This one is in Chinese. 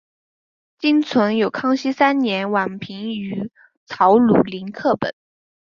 今存有康熙三年宛平于藻庐陵刻本。